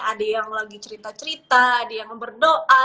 ada yang lagi cerita cerita ada yang berdoa